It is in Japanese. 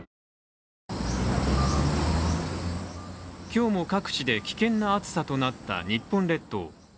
今日も各地で危険な暑さとなった日本列島。